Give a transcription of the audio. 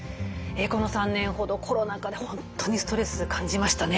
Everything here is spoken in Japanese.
この３年ほどコロナ禍で本当にストレス感じましたね。